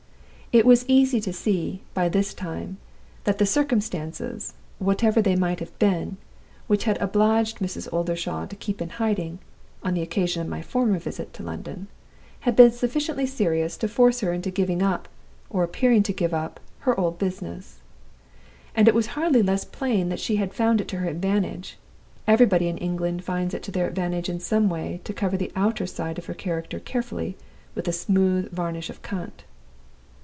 "It was easy to see, by this time, that the circumstances (whatever they might have been) which had obliged Mother Oldershaw to keep in hiding, on the occasion of my former visit to London, had been sufficiently serious to force her into giving up, or appearing to give up, her old business. And it was hardly less plain that she had found it to her advantage everybody in England finds it to their advantage in some way to cover the outer side of her character carefully with a smooth varnish of Cant.